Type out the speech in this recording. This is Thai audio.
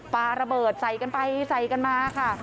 ปลาระเบิดใส่กันไปใส่กันมาค่ะ